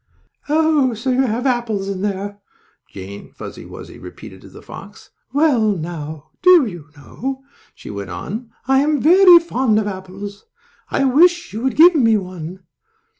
"Oh, so you have apples in there?" Jane Fuzzy Wuzzy repeated to the fox. "Well, now, do you know," she went on, "I am very fond of apples. I wish you would give me one."